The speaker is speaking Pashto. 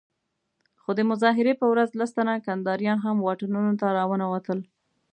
خو د مظاهرې په ورځ لس تنه کنداريان هم واټونو ته راونه وتل.